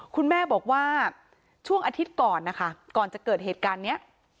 คุณแม่บอกว่าช่วงอาทิตย์ก่อนนะคะก่อนจะเกิดเหตุการณ์นี้